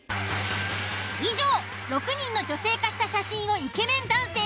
以上６人の女性化した写真をイケメン男性